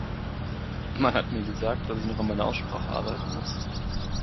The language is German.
Man hat mir gesagt, dass ich noch an meiner Aussprache arbeiten muss.